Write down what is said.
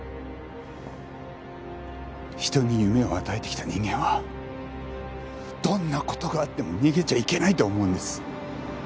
人に夢を与えてきた人間はどんな事があっても逃げちゃいけないと思うんです。